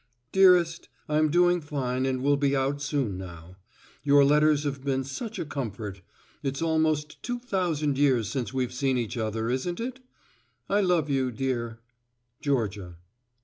_Dearest, I'm doing fine and will be out soon now. Your letters have been such a comfort. It's almost two thousand years since we've seen each other, isn't it? I love you, dear. Georgia.